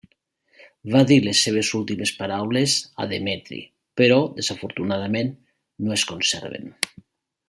Va dir les seves últimes paraules a Demetri, però desafortunadament no es conserven.